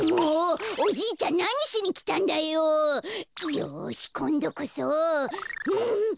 よしこんどこそ。